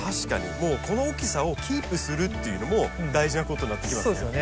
もうこの大きさをキープするっていうのも大事なことになってきますよね。